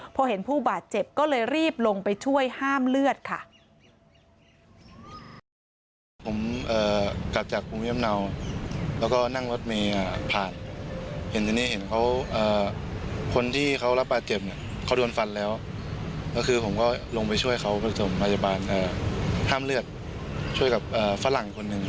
พอเห็นผู้บาดเจ็บก็เลยรีบลงไปช่วยห้ามเลือดค่ะ